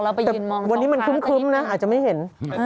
แล้วไปยืนมองตองค้าซะนี้นะครับแต่วันนี้มันครุ่มนะอาจจะไม่เห็น